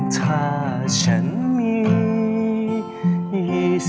ถ้าฉันมี